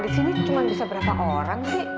di sini cuma bisa berapa orang sih